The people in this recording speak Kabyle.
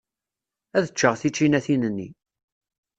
Ad ččeɣ tičinatin-nni.